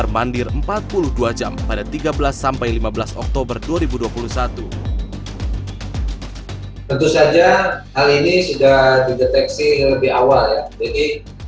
mandir empat puluh dua jam pada tiga belas lima belas oktober dua ribu dua puluh satu tentu saja hal ini sudah dideteksi lebih awal jadi